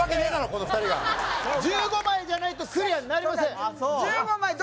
１５枚じゃないとクリアになりません